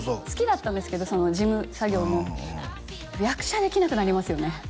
好きだったんですけど事務作業も役者できなくなりますよね